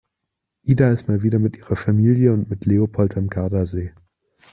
Ida ist mal wieder mit ihrer Familie und mit Leopold am Gardasee.